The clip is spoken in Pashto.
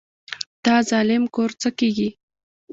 د ظالم کور څه کیږي؟